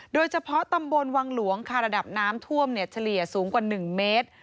โดยเฉพาะตำบลวังหลวงค่ะระดับน้ำท่วมเฉลี่ยสูงกว่า๑เมตร